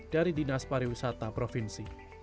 dari dinas pariwisata provinsi